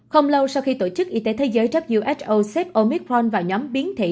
không lâu sau khi tổ chức y tế thế giới who xếp omicron vào nhóm biến thị